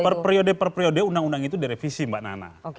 per periode per periode undang undang itu direvisi mbak nana